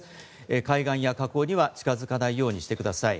海岸や河口には近づかないようにしてください。